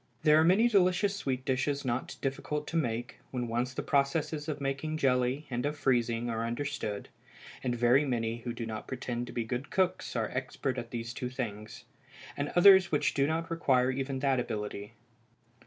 There are many delicious sweet dishes not difficult to make when once the processes of making jelly and of freezing are understood (and very many who do not pretend to be good cooks are expert at these two things), and others which do not require even that ability.